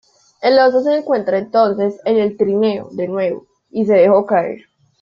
El oso se encuentra entonces en el trineo de nuevo y se dejó caer.